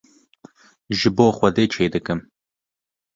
ji bo Xwedê çê dikim.